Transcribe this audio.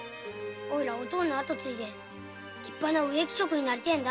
おいらお父の跡を継いで立派な植木職になりてぇんだ。